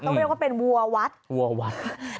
ต้องบอกว่าเป็นวัววัฒน์